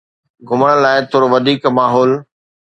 گھمڻ لاء ٿورو وڌيڪ ماحول